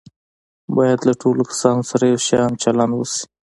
باید له ټولو کسانو سره یو شان چلند وشي.